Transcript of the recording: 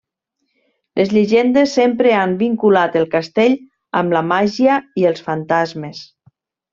Les llegendes sempre han vinculat el castell amb la màgia i els fantasmes.